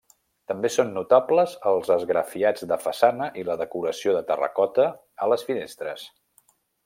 També són notables els esgrafiats de façana i la decoració de terracota a les finestres.